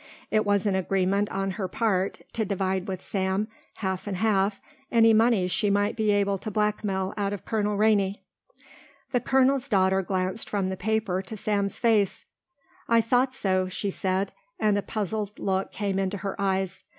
It was an agreement on her part to divide with Sam, half and half, any money she might be able to blackmail out of Colonel Rainey. The colonel's daughter glanced from the paper to Sam's face. "I thought so," she said, and a puzzled look came into her eyes.